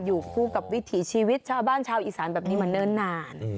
อยู่คู่กับวิถีชีวิตชาวบ้านชาวอีสานแบบนี้มาเนิ่นนาน